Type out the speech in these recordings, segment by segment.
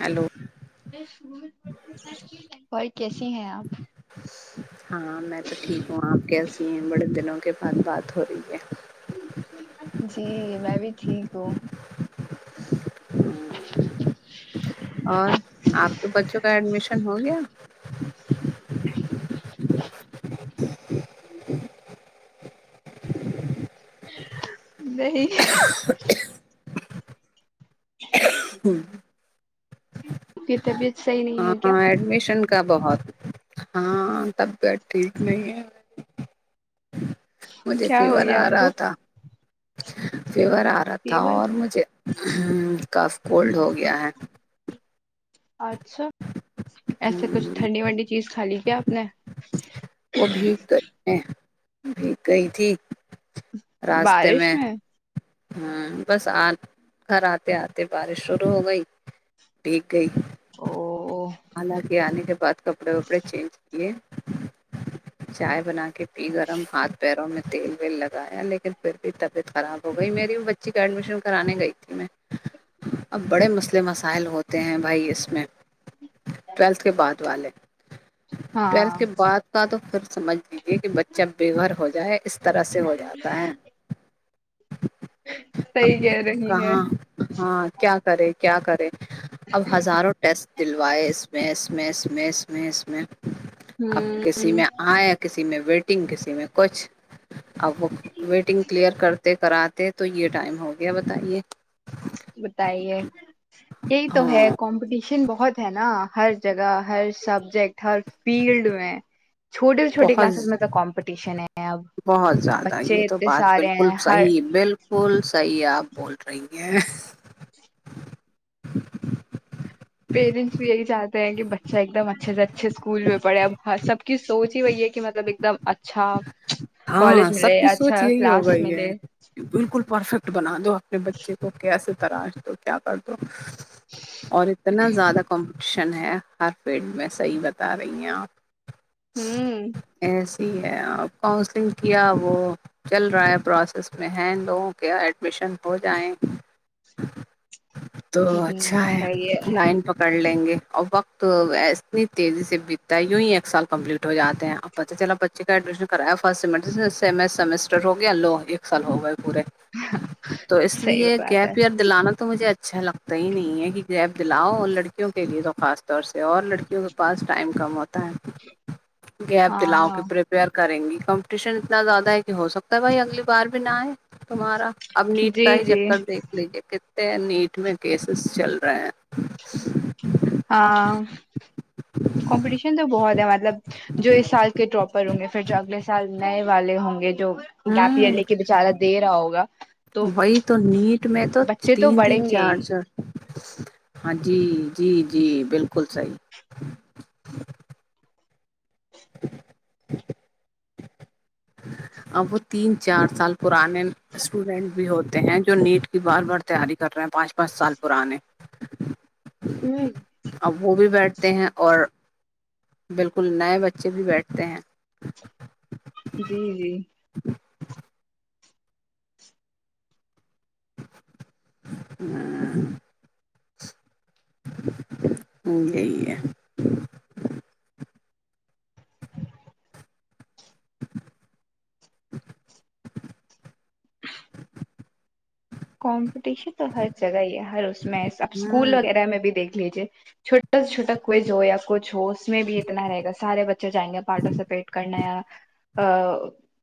hello اور کیسی ہیں آپ ہاں میں تو ٹھیک ہوں آپ کیسی ہے بڑے دنوں کے بعد بات ہو رہی ہے جی میں بھی ٹھیک ہوں اور آپ تو بچوں کا ایڈمیشن ہو گیا نہیں ہوں کی طبیعت صحیح نہیں ہے کیا ہاں اڈمیشن کا بہت ہاں طبیعت ٹھیک نہیں ہے مجھے کیا ہو فیور گیا آ آپ رہا کو تھا فیور آ رہا تھا فیور اور مجھے اچھا ایسے کچھ ٹھنڈی ونڈی چیز کھا لی کیا آپ نے وہ بھیگ گئی ہے بھیگ گئی تھی راستے میں ہمم بس آ گھر آتے آتے بارش شروع ہو گئی بھیگ گئی او حلانکے آنے کے بعد کپڑے وپڑے چینج کیے چائے بنا کے گرم ہاتھ پیروں میں تیل ویل لگایا لیکن پھر بھی طبیعت خراب ہو گئی میری بچی کا ایڈمیشن کرانے گئی تھی میں اب بڑے مسئلے مسائل ہوتے ہیں بھائی اس میں ٹویلتھ کے بعد والے ہاں ٹویلتھ کے بعد کا تو پھر سمجھ لیجے کہ بچہ بے گھر ہو جائے اس طرح سے ہو جاتا ہے اب صحیح کہہ رہی ہے کہاں ہاں کیا کرے کیا کرے اب ہزاروں ٹیسٹ دلوائے اس میں اس میں اس میں اس میں اس میں اب ہوں کسی میں آئے کسی میں ویٹنگ کسی میں کچھ اب وہ ویٹنگ کلیئر کرتے کراتے تو یہ ٹائم ہو گیا بتائیے بتائیے یہی تو ہے ہاں کمپٹیش شن بہت ہے نا ہر جگہ ہر سبجیکٹ ہر فیلڈ میں چھوٹے سے چھوٹے بہت کلاسز میں تو کمپٹیشن ہے اب بہت زیادہ یہ بچے تو اتنے بات سارے بالکل ہیں ہر صحیح بالکل بول صحیح آپ بول رہی ہیں پیرنٹس بھی یہی چاہتے ہیں کہ بچہ ایک دم اچھے سے اچھے اسکول میں پڑھے اب سب کی سوچ ہی وہی ہے کہ مطلب ایک دم اچھا ہاں کالج سب ملے کی سوچ اچھا یہی ہو کلاس گئی ملے ہے بالکل پرفیکٹ بنا دو اپنے بچے کو کیسے تراش دو کیا کر دو اور اتنا زیادہ کمپٹیشن ہے ہر فیلڈ میں صحیح بتا رہی ہیں آپ ہوں ایسی ہے اور کانسلنگ کیا وہ چل رہا ہے پروسیس میں ہے ان لوگوں کے ایڈمیشن ہو جائیں تو اچھا ہے لائن پکڑ لیں گے اور وقت اتنی تیزی سے بیتتا ہے یوں ہی ایک سال کمپلیٹ ہو جاتے ہیں آپ پتا چلا بچے کا ایڈمیشن کرایا فسٹ س سمسٹر ہو گیا لو ایک سال ہو گئے پورے تو اس صحیح لیے بات ہے گیپ دلانا تو مجھے اچھا لگتا ہی نہیں ہے کہ گیپ دلاؤ اور لڑکیوں کے لیے تو خاص اور لڑکیوں کے پاس ٹائم کم ہوتا ہے گیپ دلاؤ ہاں کے پریپیر کریں گی کمپٹیشن اتنا زیادہ ہے کہ ہو سکتا ہے بھائی اگلی بار بھی نہ اے تمہارا اب نیٹ جی کا ہی جی چکر دیکھ لیجیے کتنے نیٹ میں کیسز چل رہے ہیں ہاں کمپٹیشن تو بہت ہے مطلب جو اس سال کے ڈراپر ہوں گے پھر جو اگلے سال نئے والے ہوں گے جو گیپ ہوں لے کے بیچارہ دے رہا ہوگا تو وہی نیٹ میں تو بچے تو تین تین بڑھیں گے ہی چار چار ہاں جی جی جی بالکل صحیح [inaudible] اب تین چار سال پرانے اسٹوڈینٹ بھی ہوتے ہیں جو نیٹ کی بار بار تیاری کر رہے ہیں پانچ پانچ سال پرانے ہوں ابو بھی بیٹھتے ہیں اور بالکل نئے بچے بھی بیٹھتے ہیں جی جی [unintelligible] یہی ہے [inaudible] کمپٹیشن تو ہر جگہ ہی ہے ہر اس میں اسکول ہوں وغیرہ میں بھی دیکھ لیجیے چھوٹا سا چھوٹا کوئز ہو یا کچھ ہو اس میں بھی اتنا رہے گا سارے بچے جائیں گے پارٹیسپیٹ کرنے یا ا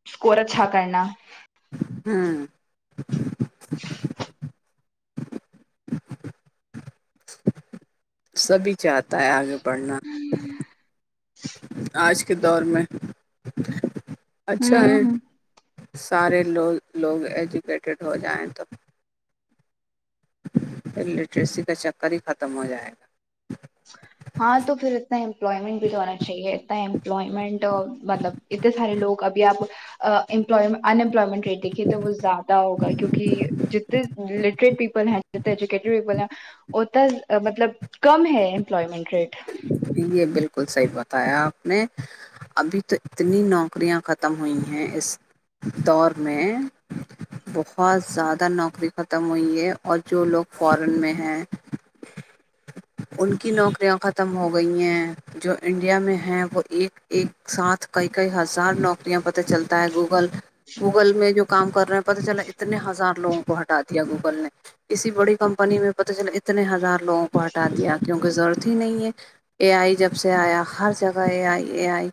اسکور اچھا کرنا ہوں سبھی چاہتا ہے آگے بڑھنا آج کے دور میں اچھا ہے ہوں سارے لوگ لوگ ایجوکیٹڈ ہو جائیں تو ال لٹریسی کا چکر ہی ختم ہو جائے گا [inaudible] ہاں تو پھر اتنا امپلائمنٹ بھی تو ہونا چاہیے اتنا امپلائمنٹ مطلب اتتے سارے لوگ ابھی آب امپلایمنٹ ان امپلائمنٹ ریٹ دیکھیے تو وہ زیادہ ہوگا کیونکہ جتنے لٹریٹ پیپل ہیں جتنے ایجوکٹڈ پیپل ہیں ات مطلب کم ہے امپلائمنٹ ریٹ یہ بالکل صحیح بتایا آپ نے ابھی تو اتنی نوکریاں ختم ہوئی ہیں اس دور میں بہت زیادہ نوکری ختم ہوئی ہے اور جو لوگ فورن میں ہیں ان کی نوکریاں ختم ہو گئی ہیں جو انڈیا میں ہے وہ ایک ایک ساتھ کئی کئی ہزار نوکریاں پتہ چلتا ہے گوگل گوگل میں جو کام کر رہے ہیں پت چلا اتنے ہزار لوگوں کو ہٹا دیا گوگل نے اسی بڑی کمپنی میں پتہ چلا اتنے ہزار لوگوں کو ہٹا دیا کیوںکہ ضرورت ہی نہیں ہے اے آئی جب سے آیا ہر جگہ اے آئی اے آئی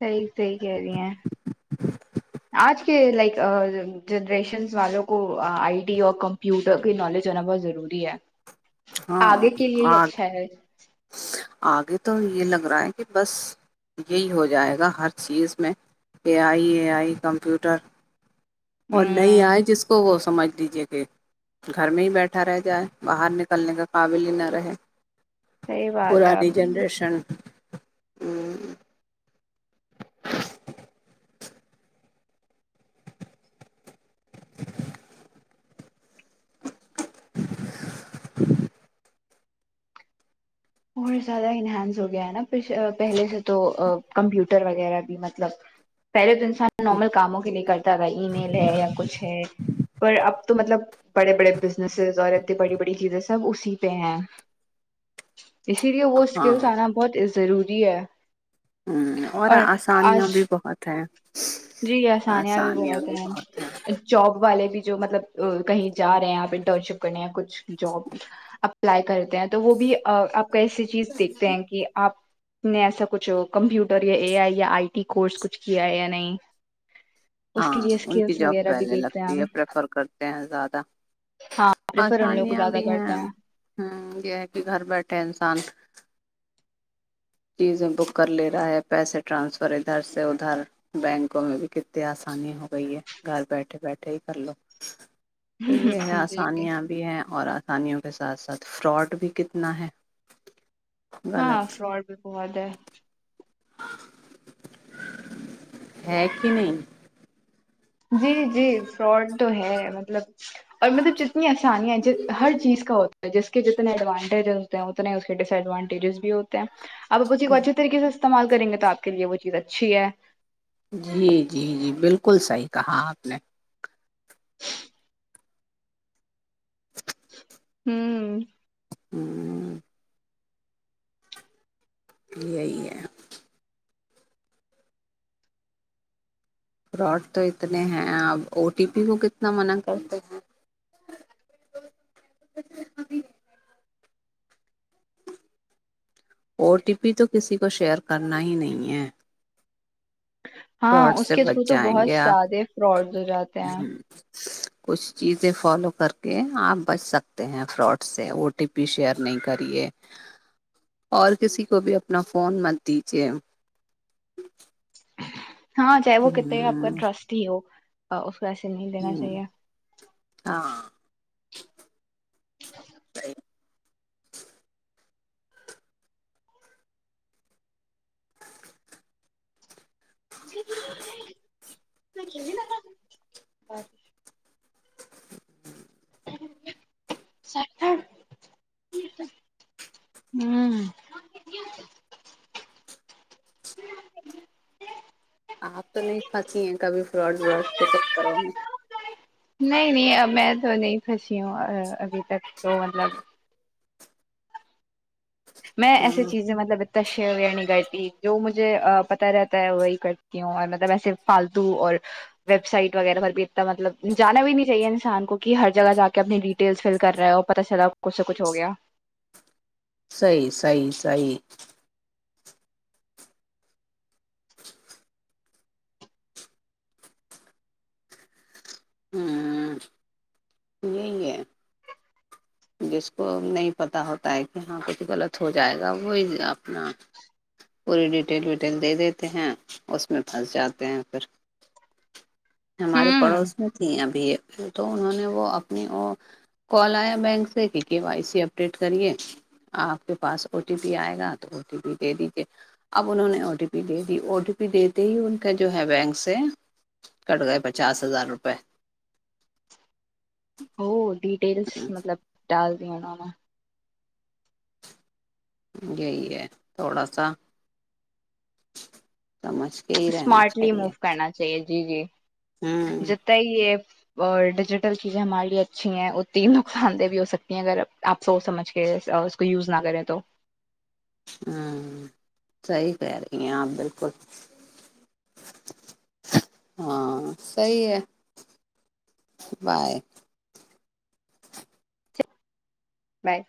صحیح صحیح کہہ رہی ہیں [inaudible] آج کے لائک جنریشنس والوں کو آئی ٹی اور کمپیوٹر کی نالج ہونا بہت ضروری ہاں آگے کے لیے ہی آ اچھا ہے آگے تو یہ لگ رہا ہے کہ بس یہی ہو جائے گا ہر چیز میں اے آئی اے آئی کمپیوٹر اور نہیں آئے ہمم جس کو وہ سمجھ لیجیے کہ گھر میں ہی بیٹھا رہ جائے باہر نکلنے کے قابل ہی نہ رہیں صحیح بات ہے اب پرانی جنریشن [inaudible] اور زیادہ انہانس ہو گیا ہیں نا پہلے سے تو کمپیوٹر وغیرہ بھی مطلب پہلے تو انسان نارمل کاموں کے لیے کرتا تھا ای میل ہیں یا کچھ ہے پر اب تو مطلب بڑے بڑے بزنسز اور اتنی بڑی بڑی چیزیں سب اسی پہ ہیں تو اسی لیے وہ سکلز ہاں انا بہت ضروری ہیں ہوں اور اسانیاں بھی بہت ہیں جی اسانیہ بھی بہت ہیں جاب والے بھی جو مطلب کہیں جا رہے ہیں اپ انٹرن شپ کرنے کچھ جاب اپلائی کرتے ہیں تو وہ بھی اپ کو ایسی چیز دیکھتے ہیں کہ اپ نے ایسا کچھ کمپیوٹر یا اے ائی یا ائی ٹی کورس کچھ کیا ہے یا نہیں اس کے ہاں لیے ان کی اسکلس جاب وغیرہ بھی پہلے دیکھتے ہیں لگتی ہم ہے پریفر کرتے ہیں زیادہ ہاں پریفر ان لوگ کو اسانیاں زیادہ بھی ہیں کرتے ہمم یہ ہیں کہ گھر بیٹھے انسان چیزیں بک کر لے رہا ہیں پیسے ٹرانسفر ادھر سے ادھر بینکوں میں بھی کتے اسانی ہو گئی ہے گھر بیٹھے بیٹھے ہی کر لو تو یہ ہے جی اسانیاں بھی ہیں اور اسانیوں کے ساتھ ساتھ فراڈ بھی کتنا ہیں ہاں فراڈ بھی بہت ہیں ہیں کہ نہیں جی جی فراڈ تو ہیں مطلب اور مطلب جتنی اسانیاں جی ہر چیز کا ہوتا جس کے جتنے ایڈوانٹیجز ہوتے ہیں اتنے اس کے ڈس ایڈوانٹیجز بھی ہوتے ہیں اپ اسی کو اچھی طریقے سے استعمال کریں گے تو آپ کے لیے وہ چیز اچھی ہیں جی جی جی بالکل صحیح کہا آپ نے ہوں ہوں یہی ہیں فراڈ تو اتنے ہیں آپ او ٹی پی کو کتنا منع کرتے ہیں پ ابھی او ٹی پی تو کسی کو شیئر کرنا ہی نہیں ہیں ہاں فراڈ اس سے کے بچ تھرو تو جائیں بہت گے آپ سادے فراڈ ہو جاتے ہیں کچھ چیزیں فالو کر کے اپ بچ سکتے ہیں فراڈ سے او ٹی پی شیئر نہیں کریے اور کسی کو بھی اپنا فون مت دیجیے ہاں چاہے وہ کتتے بھی آپ کا ہ ٹرسٹ ہی ہو اس کو ایسے نہیں دینا ہ چاہیے ہاں ج [inaudible] [unintelligible] ہوں آپ تو نہیں کھاتی ہیں کبھی فراڈ وراڈ کے چککروں میں نہیں نہیں اب میں تو نہیں پھنسی ہوں ابھی تک تو مطلب میں ایسی ہاں چیزیں مطلب تش نی کرتی جو مجھے پتہ رہتا ہے وہی کرتی ہوں اور مطلب ایسے فالتو اور ویب سائٹ وغیرہ پرھر بھی اتنا مطلب جانا بھی نہیں چاہیے انسان کو کہ ہر جگہ جا کے اپنی ڈٹیلس فل کر رہے ہو پتا چلا اس سے کچھ ہو گیا سہی سہی سہی ہوں یہی ہے جس کو نہیں پتا ہوتا ہیں کہ ہاں کچھ غلط ہو جائے گا وہی اپنا پوری ڈیٹیل ویٹیل دے دیتے ہیں اس میں پھنس جاتے ہیں پھر ہمارے پڑوس میں تھیں ابھی تو انہوں نے وہ اپنی او کول آیا بینک کے وائی سی اپڈیٹ کریے آپ کے پاس او ٹی پی آئے گا تو او ٹی پی دے دیجیے اب انہوں نے او ٹی پی دے دی او ٹی پی دیتے ہی ان کا جو ہے بینک سے کٹ گئے پچاس ہزار روپئے وہ ڈیٹیلس مطلب ڈال دیا نے یہی ہے تھوڑا سا سمجھ کے ہی رہنا اسمارٹلی چاہیے موو کرنا چاہیے جی جی ہوں تائی یہ ڈیجیٹل چیزیں ہمارے لیے اچھی ہیں اتنی نقصان دہ بھی ہو سکتی ہیں اگر ا آپ سوچ سمجھ کے ا اس کو یوز نہ کریں تو ہوں صحی کہے رہی ہے آپ بالکل ہاں سی ہے بائے بائے